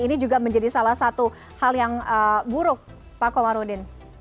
ini juga menjadi salah satu hal yang buruk pak komarudin